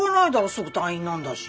すぐ退院なんだし。